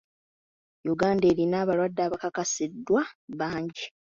Uganda erina abalwadde abakakasiddwa bangi.